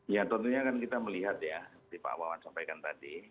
ya tentunya kan kita melihat ya seperti pak wawan sampaikan tadi